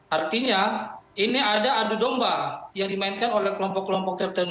artinya ini ada adu domba yang dimainkan oleh kelompok kelompok tertentu